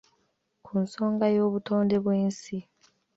Ku nsonga y’obutonde bw’ensi.